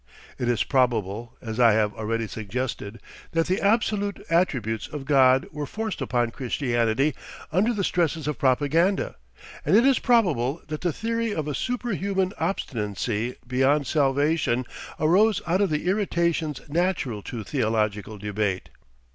It is probable, as I have already suggested, that the absolute attributes of God were forced upon Christianity under the stresses of propaganda, and it is probable that the theory of a super human obstinancy beyond salvation arose out of the irritations natural to theological debate.